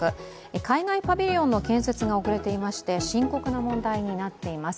海外パビリオンの建設が遅れていまして深刻な問題になっています。